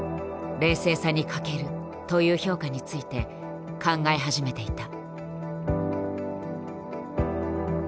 「冷静さに欠ける」という評価について考え始めていた。